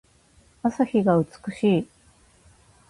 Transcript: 朝日が美しい。